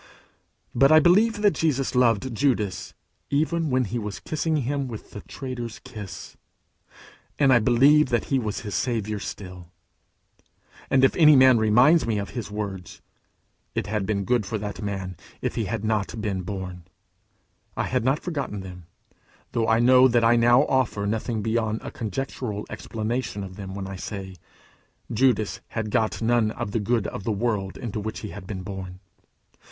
But I believe that Jesus loved Judas even when he was kissing him with the traitor's kiss; and I believe that he was his Saviour still. And if any man remind me of his words, "It had been good for that man if he had not been born," I had not forgotten them, though I know that I now offer nothing beyond a conjectural explanation of them when I say: Judas had got none of the good of the world into which he had been born.